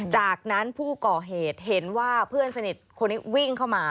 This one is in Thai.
จากนั้นผู้ก่อเหตุเห็นว่าเพื่อนสนิทคนนี้วิ่งเข้ามา